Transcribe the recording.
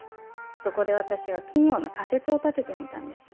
そこで私は奇妙な仮説を立ててみたんです。